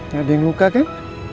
gak ada yang muka kan